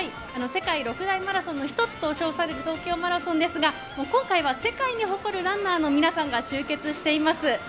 世界６大マラソンの一つと称される東京マラソンですが、今回は世界に誇るランナーの皆さんが集結しています。